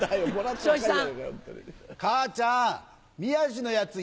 母ちゃん宮治のヤツ